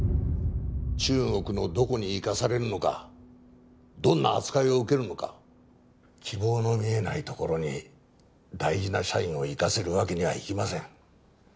中国のどこに行かされるのかどんな扱いを受けるのか希望の見えない所に大事な社員を行かせるわけにはいきません